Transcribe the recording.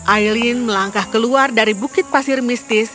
aileen melangkah keluar dari bukit pasir mistis